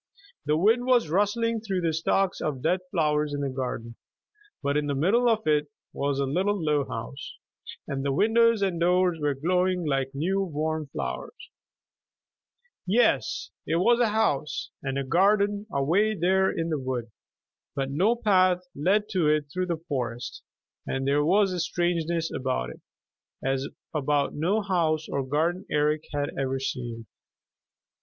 The wind was rustling through the stalks of dead flowers in the garden. But in the middle of it was a little low house, and the windows and doors were glowing like new, warm flowers. Yes, it was a house and a garden away there in the wood, but no path led to it through the forest, and there was a strangeness about it as about no house or garden Eric had ever seen.